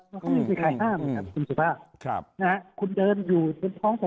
ว่ามีขายข้ามคุณสุภาครับ